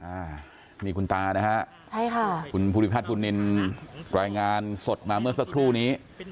อ่านี่คุณตานะฮะใช่ค่ะคุณภูริพัฒนบุญนินรายงานสดมาเมื่อสักครู่นี้